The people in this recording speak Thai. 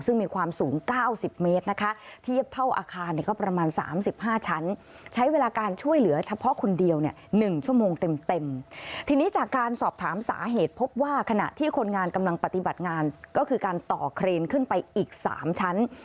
สามสาเหตุพบว่าขณะที่คนงานกำลังปฏิบัติงานก็คือการต่อเครนขึ้นไปอีก๓ชั้น